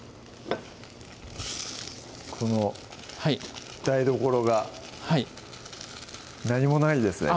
この台所がはい何もないですね